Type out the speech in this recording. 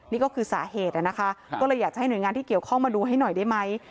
นี่ก็คือสาเหตุนะคะก็เลยอยากจะให้หน่วยงานที่เกี่ยวข้องมาดูให้หน่อยได้ไหม